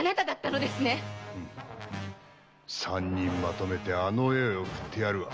ふん三人まとめてあの世へ送ってやるわ。